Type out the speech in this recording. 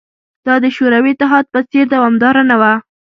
دا د شوروي اتحاد په څېر دوامداره نه وه